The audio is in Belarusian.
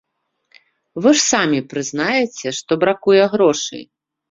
Вы ж самі прызнаяце, што бракуе грошай.